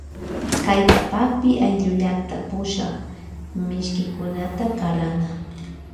Kay kapakpi ayllullakta pushak mishkikunata karana.